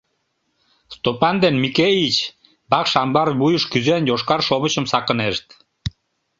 Стопан ден Микеич, вакш амбар вуйыш кӱзен, йошкар шовычым сакынешт.